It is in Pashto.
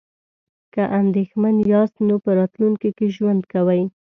که اندیښمن یاست نو په راتلونکي کې ژوند کوئ.